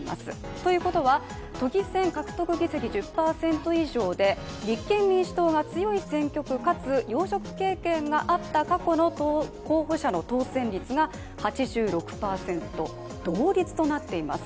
ということは都議選獲得議席１０％以上で立憲民主党が強い選挙区かつ要職経験があった過去の候補者の当選率が８６％同率となっています。